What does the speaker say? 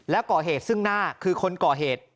และก่อเหตุซึ่งหน้าคือคนก่อเหตุ